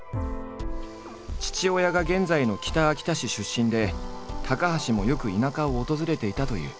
父親が現在の北秋田市出身で高橋もよく田舎を訪れていたという。